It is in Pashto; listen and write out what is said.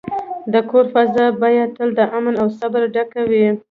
د کور فضا باید تل د امن او صبر ډکه وي.